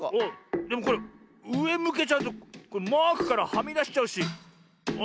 でもこれうえむけちゃうとマークからはみだしちゃうしあっダメだ。